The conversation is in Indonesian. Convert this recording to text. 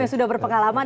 yang sudah berpengalaman